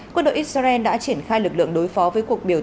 quân đội israel đã triển khai lực lượng đối phó với cuộc biểu